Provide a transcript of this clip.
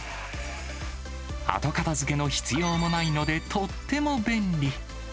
後片づけの必要もないので、とっても便利。